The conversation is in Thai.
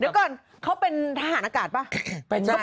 เดี๋ยวก่อนเขาเป็นทหารอากาศป่ะ